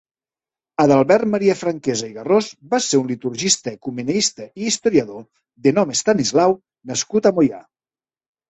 Adalbert Maria Franquesa i Garròs va ser un «Liturgista, ecumenista i historiador, de nom Estanislau» nascut a Moià.